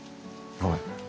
ごめん。